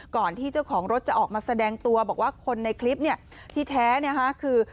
ก่อนที่เจ้าของรถจะออกมาแสดงตัวบอกว่าคนในคลิปที่แท้คือ